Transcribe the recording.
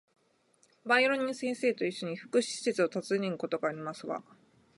バイオリンの先生と一緒に、福祉施設を訪ねることがありますわ